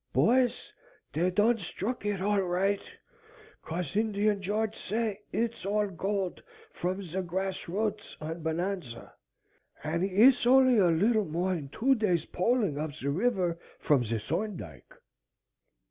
] "Boys, de' done struck it, al' right, 'cause Indian George say it's all gold from ze gras' roots, on Bonanza. An' it's only a leetle more'n two days polin' up ze river from ze T'hoandike."